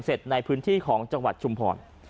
เสร็จในพื้นธีค์ของจังหวัดชุมภร